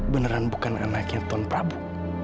beneran bukan anaknya tun prabu